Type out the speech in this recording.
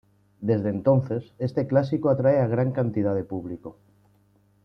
Desde entonces, este clásico atrae gran cantidad de público.